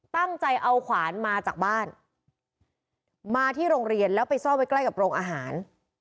ตั้งใจเอาขวานมาจากบ้านมาที่โรงเรียนแล้วไปซ่อนไว้ใกล้กับโรงอาหาร